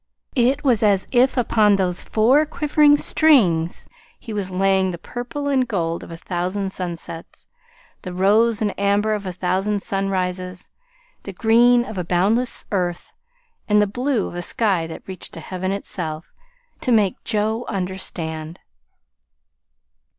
It was as if upon those four quivering strings, he was laying the purple and gold of a thousand sunsets, the rose and amber of a thousand sunrises, the green of a boundless earth, the blue of a sky that reached to heaven itself to make Joe understand.